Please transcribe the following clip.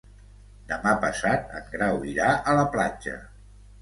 Demà passat en Grau irà a la platja.